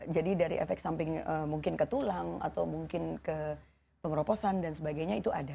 jadi dari efek samping mungkin ke tulang atau mungkin ke pengeroposan dan sebagainya itu ada